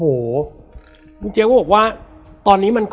แล้วสักครั้งหนึ่งเขารู้สึกอึดอัดที่หน้าอก